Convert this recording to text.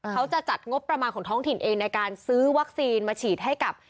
เขาจะจัดงบประมาณของท้องถิ่นเองในการซื้อวัคซีนมาฉีดให้กับ